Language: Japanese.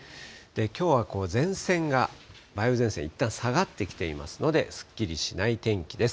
きょうは前線が、梅雨前線、いったん下がってきていますので、すっきりしない天気です。